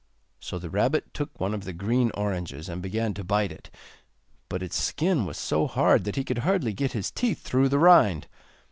So the rabbit took one of the green oranges and began to bite it, but its skin was so hard that he could hardly get his teeth through the rind.